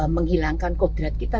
menghilangkan kodrat kita